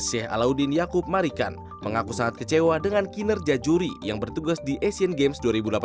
sheikh alauddin yaakub marikan mengaku sangat kecewa dengan kinerja juri yang bertugas di asian games dua ribu delapan belas